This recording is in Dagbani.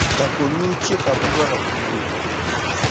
ka konyuri chɛ ka bɛ lɔna kuui.